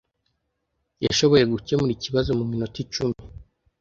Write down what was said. Yashoboye gukemura ikibazo muminota icumi.